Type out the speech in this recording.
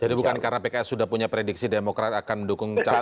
jadi bukan karena pks sudah punya prediksi demokrat akan mendukung